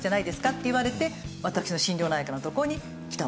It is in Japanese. って言われて私の心療内科のところに来たわけですね。